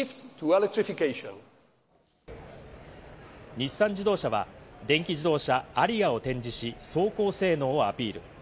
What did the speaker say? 日産自動車は電気自動車アリアを展示し、走行性能をアピール。